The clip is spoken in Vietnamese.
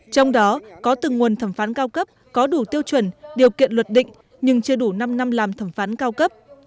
trong đó có từng nguồn thẩm phán cao cấp có đủ tiêu chuẩn điều kiện luật định nhưng chưa đủ năm năm làm thẩm phán cao cấp